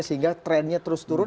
sehingga trendnya terus turun